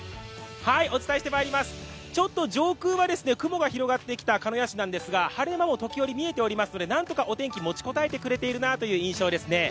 ちょっと上空は雲が広がってきた鹿屋市なんですが晴れ間も時折見えていますので何とかお天気持ちこたえてくれているなという印象ですね。